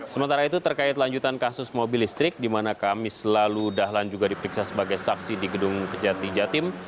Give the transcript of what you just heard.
sementara itu terkait lanjutan kasus mobil listrik di mana kami selalu dahlan juga diperiksa sebagai saksi di gedung kejati jatim